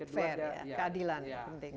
fair ya keadilan